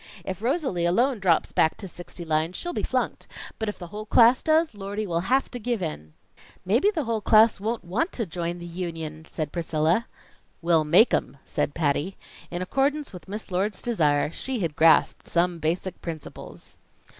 If Rosalie alone drops back to sixty lines, she'll be flunked; but if the whole class does, Lordie will have to give in." "Maybe the whole class won't want to join the union," said Priscilla. "We'll make 'em!" said Patty. In accordance with Miss Lord's desire, she had grasped some basic principles.